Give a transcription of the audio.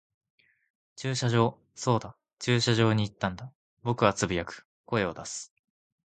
駐車場。そうだ、駐車場に行ったんだ。僕は呟く、声を出す。